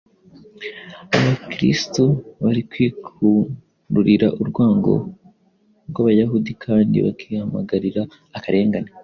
Abakristo bari kwikururira urwango rw’Abayahudi kandi bakihamagarira akarengane.